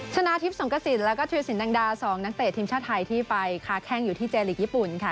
ชนะทิพย์สงกระสินแล้วก็ธิรสินแดงดา๒นักเตะทีมชาติไทยที่ไปค้าแข้งอยู่ที่เจลีกญี่ปุ่นค่ะ